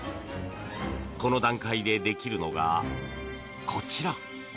この段階でできるのが、こちら。